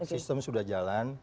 sistem sudah jalan